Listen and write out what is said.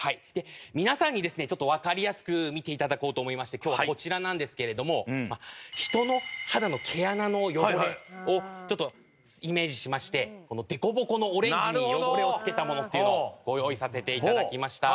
皆さんにですねちょっとわかりやすく見て頂こうと思いまして今日はこちらなんですけれども人の肌の毛穴の汚れをちょっとイメージしまして凸凹のオレンジに汚れをつけたものっていうのをご用意させて頂きました。